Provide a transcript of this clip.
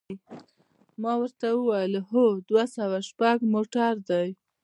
ما ورته وویل: هو، دوه سوه شپږ موټر دی.